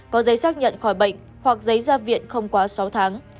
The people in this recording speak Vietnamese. có giấy xác nhận khỏi bệnh hoặc giấy ra viện không quá sáu tháng